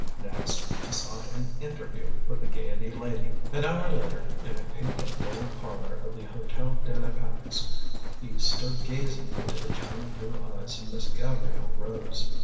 Next he sought an interview with the Gaiety lady. An hour later, in a pink and gold parlor of the Hotel de la Pax, he stood gazing into the china blue eyes of Miss Gabrielle Rose.